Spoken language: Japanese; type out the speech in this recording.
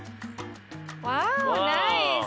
ワーオナイス！